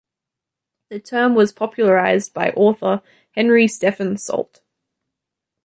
The term was popularised by author Henry Stephens Salt.